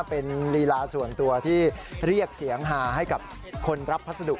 เป็นลีลาส่วนตัวที่เรียกเสียงหาให้กับคนรับพัสดุ